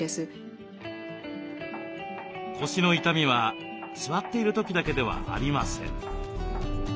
腰の痛みは座っている時だけではありません。